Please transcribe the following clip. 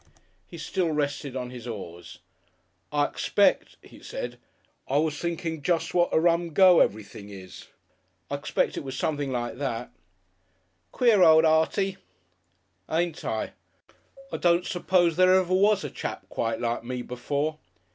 He still rested on his oars. "I expect," he said, "I was thinking jest what a Rum Go everything is. I expect it was something like that." "Queer old Artie!" "Ain't I? I don't suppose there ever was a chap quite like me before."